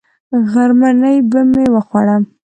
غرمنۍ به مې وخوړه.